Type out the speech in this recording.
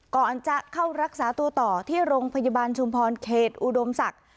ก่อนจะเข้ารักษาตัวต่อที่โรงพยาบาลชุมพรเขตอุดมศักดิ์